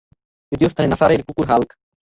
দ্বিতীয় স্থানে নাসারের কুকুর হাল্ক!